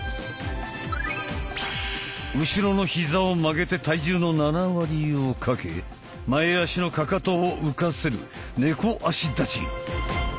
後ろの膝を曲げて体重の７割をかけ前足のかかとを浮かせる「猫足立ち」。